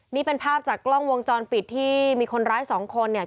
นี่เป็นภาพจากกล้องวงจรปิดที่มีคนร้ายสองคนเนี่ย